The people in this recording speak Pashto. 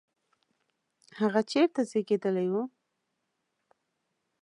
هغه چیرته زیږېدلی و؟